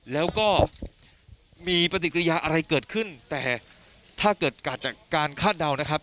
แล้วก็มีปฏิกิริยาอะไรเกิดขึ้นแต่ถ้าเกิดเกิดจากการคาดเดานะครับ